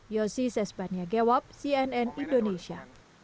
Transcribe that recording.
yosi sesbaniagewab cnn indonesia